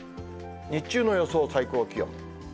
日中の予想最高気温。